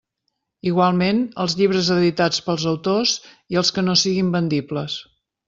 Igualment, els llibres editats pels autors i els que no siguen vendibles.